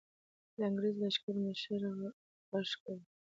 د انګریزي لښکر مشري غږ کوي.